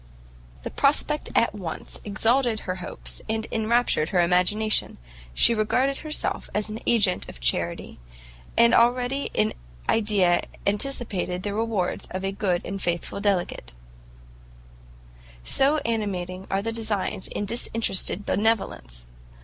The prospect at once exalted her hopes, and enraptured her imagination; she regarded herself as an agent of Charity, and already in idea anticipated the rewards of a good and faithful delegate; so animating are the designs of disinterested benevolence!